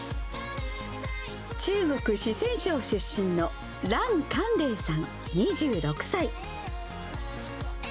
中国・四川省出身の蘭かんれいさん２６歳。